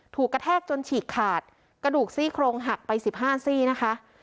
กระแทกจนฉีกขาดกระดูกซี่โครงหักไป๑๕ซี่นะคะ